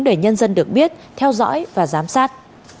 để nhân dân được biết theo dõi và giám sát